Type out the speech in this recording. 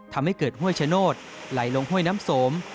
ทำให้เกิดห้วยชโนธไหลลงห้วยน้ำสม